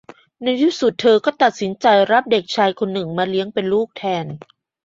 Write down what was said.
ในที่สุดเธอก็ตัดสินใจรับเด็กชายคนหนึ่งมาเลี้ยงเป็นลูกแทน